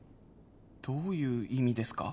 どういう意味ですか？